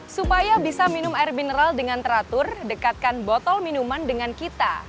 supaya bisa minum air mineral dengan teratur dekatkan botol minuman dengan kita